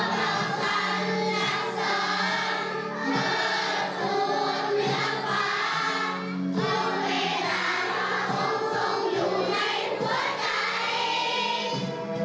พวกเราสัญลักษณ์เพื่อสูญเนื้อฟ้าทุกเวลาคงทรงอยู่ในหัวใจ